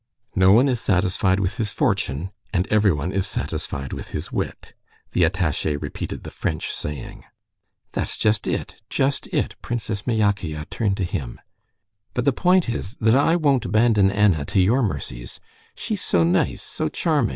"'No one is satisfied with his fortune, and everyone is satisfied with his wit.'" The attaché repeated the French saying. "That's just it, just it," Princess Myakaya turned to him. "But the point is that I won't abandon Anna to your mercies. She's so nice, so charming.